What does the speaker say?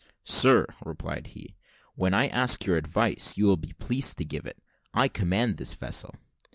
"Sir," replied he, "when I ask your advice, you will be pleased to give it. I command this vessel."